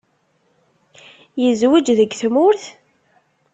Yezweǧ deg tmurt?